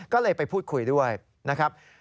ก็เลยไปพูดคุยด้วยนะครับ